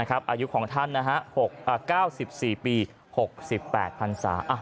อายุของท่าน๙๔ปี๖๘พันศา